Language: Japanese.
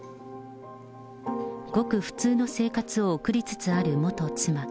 ごく普通の生活を送りつつある元妻。